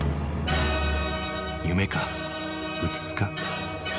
夢かうつつか。